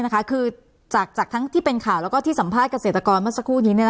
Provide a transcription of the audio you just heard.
คือจากทั้งที่เป็นข่าวแล้วก็ที่สัมภาษณเกษตรกรเมื่อสักครู่นี้